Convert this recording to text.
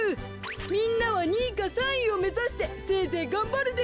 みんなは２いか３いをめざしてせいぜいがんばるでごわす。